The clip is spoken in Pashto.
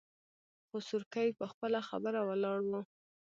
خو سورکی په خپله خبره ولاړ و.